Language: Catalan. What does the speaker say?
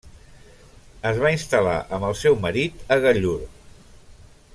Es va instal·lar amb el seu marit a Gallur.